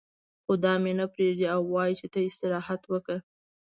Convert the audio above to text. خو دا مې نه پرېږدي او وايي چې ته استراحت وکړه.